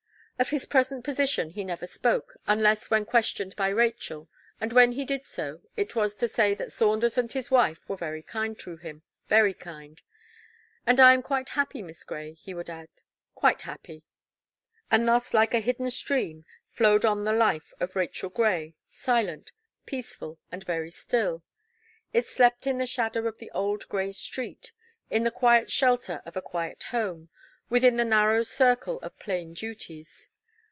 Of his present position he never spoke, unless when questioned by Rachel, and when he did so, it was to say that "Saunders and his wife were very kind to him, very kind. And I am quite happy, Miss Gray," he would add, "quite happy." And thus like a hidden stream flowed on the life of Rachel Gray, silent, peaceful and very still. It slept in the shadow of the old grey street, in the quiet shelter of a quiet home, within the narrow circle of plain duties.